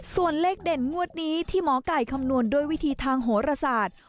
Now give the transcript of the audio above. ส่วนเลขเด่นงวดนี้ที่หมอไก่คำนวณด้วยวิธีทางโหรศาสตร์